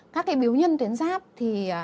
các cái biểu nhân tuyến giáp thì